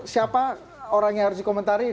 siapa orang yang harus dikomentari